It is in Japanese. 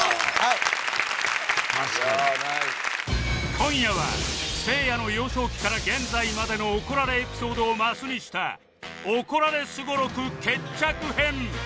今夜はせいやの幼少期から現在までの怒られエピソードをマスにした怒られすご録決着編